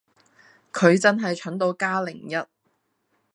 佢真係蠢到加零一